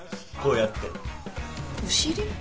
こうやって。